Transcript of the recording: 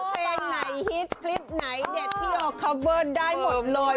เพลงไหนฮิตคลิปไหนเด็ดพี่โอคอฟเวิร์นได้หมดเลย